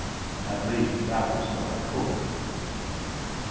At least that was what I hoped.